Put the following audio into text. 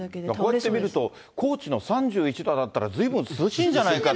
こうやって見ると、高知の３１度だったらずいぶん涼しいんじゃないかって。